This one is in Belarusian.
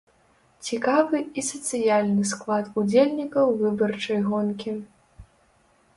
Цікавы і сацыяльны склад удзельнікаў выбарчай гонкі.